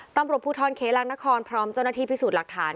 ต้นปรบผู้ท้อนเขลางนครพร้อมเจ้าหน้าที่พิสูจน์หลักฐาน